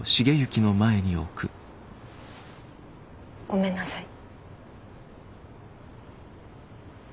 ごめんなさい。